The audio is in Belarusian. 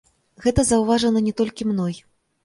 Гэта заўважана не толькі мной.